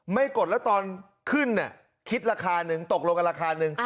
กดแล้วตอนขึ้นคิดราคาหนึ่งตกลงกันราคาหนึ่ง